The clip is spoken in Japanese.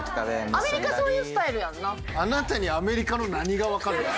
「アメリカそういうスタイルやんな」。